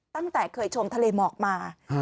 ตั้งแต่เคยชมทะเลหมอกมา